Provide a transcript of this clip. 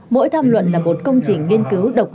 mỗi tham luận là một công trình nghiên cứu độc